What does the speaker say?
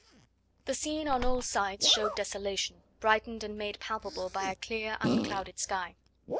The scene on all sides showed desolation, brightened and made palpable by a clear, unclouded sky.